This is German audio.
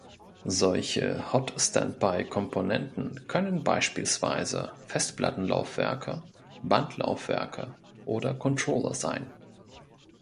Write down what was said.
Solche Hot-Standby-Komponenten können beispielsweise Festplattenlaufwerke, Bandlaufwerke oder Controller sein.